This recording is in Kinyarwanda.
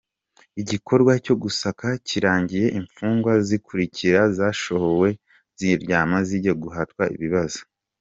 Igikorwa cyo gusaka kirangiye imfungwa zikurikira zasohowe aho ziryama zijya guhatwa ibibazo